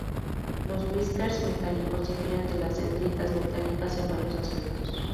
Los "whiskers" metálicos difieren de las dendritas metálicas en varios aspectos.